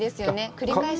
繰り返し。